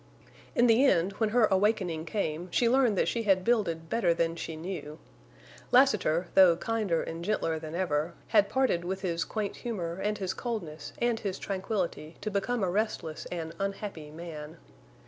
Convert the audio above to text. In the end, when her awakening came, she learned that she had builded better than she knew. Lassiter, though kinder and gentler than ever, had parted with his quaint humor and his coldness and his tranquillity to become a restless and unhappy man.